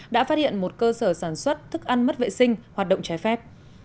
đã phát hiện một cơ sở sản xuất thức ăn mất vệ sinh hoạt động trái phép